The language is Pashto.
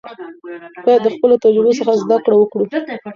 باید د خپلو تجربو څخه زده کړه وکړو.